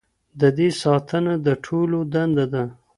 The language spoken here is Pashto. د دې ساتنه د ټولو دنده ده.